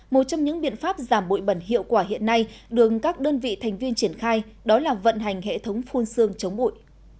một trong những biện pháp giảm bụi bẩn hiệu quả hiện nay đường các đơn vị thành viên triển khai đó là vận hành hệ thống phun xương chống bụi